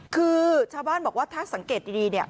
คือชาวบ้านบอกว่าถ้าสังเกตดีเนี่ย